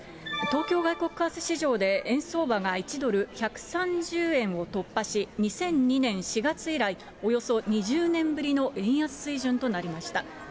東京外国為替市場で円相場が１ドル１３０円を突破し、２００２年４月以来、およそ２０年ぶりの円安水準となりました。